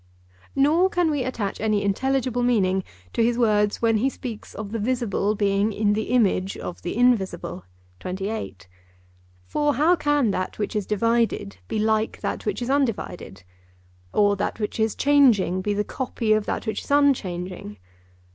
Nor can we attach any intelligible meaning to his words when he speaks of the visible being in the image of the invisible. For how can that which is divided be like that which is undivided? Or that which is changing be the copy of that which is unchanging?